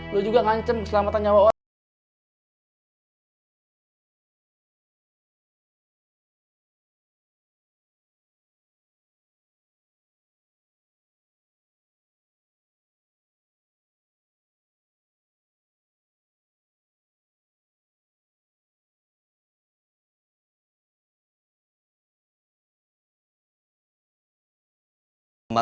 lo juga ngancem keselamatan nyawa orang